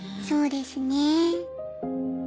そうですね。